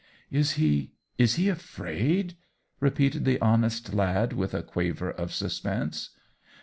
"Is he — is he afraid T^ repeated the hon est lad, with a quaver of suspense.